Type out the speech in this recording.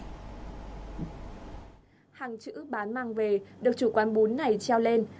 hàng chữ bán mang về được chủ quán bún này treo lên